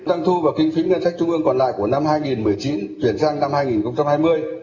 tăng thu và kinh phí ngân sách trung ương còn lại của năm hai nghìn một mươi chín chuyển sang năm hai nghìn hai mươi